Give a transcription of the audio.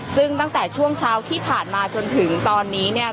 ซึ่งตั้งแต่ช่วงเช้าที่ผ่านมาจนถึงตอนนี้เนี่ย